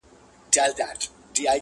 چې ما يار کړو نو يار، يار د هر سړي شو